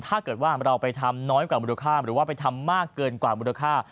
ถ้าเกิดว่าเราไปทำน้อยกว่ามูลค่าหรือว่าไปทำมากเกินกว่ามูลค่า